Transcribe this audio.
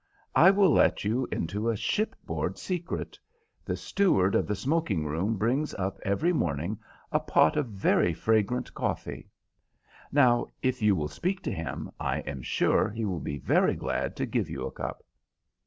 I will let you into a shipboard secret. The steward of the smoking room brings up every morning a pot of very fragrant coffee. Now, if you will speak to him, I am sure he will be very glad to give you a cup."